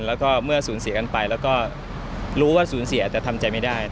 แล้วก็เมื่อสูญเสียกันไปแล้วก็รู้ว่าสูญเสียแต่ทำใจไม่ได้